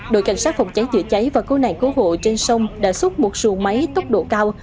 đội cảnh sát phòng cháy chữa cháy và cứu nạn cứu hộ trên sông đã xúc một xuồng máy tốc độ cao